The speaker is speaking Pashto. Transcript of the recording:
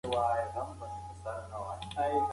ذهنیت آرام وساتئ ترڅو وزن کم شي.